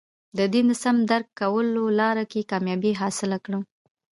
د دین د سم درک کولو لاره کې کامیابي حاصله کړو.